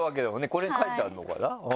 これに書いてあるのかな？